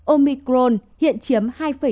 omicron hiện chiếm hai chín